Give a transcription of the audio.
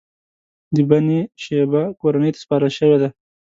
د بنی شیبه کورنۍ ته سپارل شوې ده.